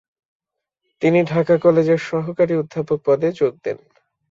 তিনি ঢাকা কলেজের সহকারী অধ্যাপক পদে যোগ দেন।